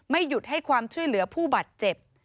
หยุดให้ความช่วยเหลือผู้บาดเจ็บ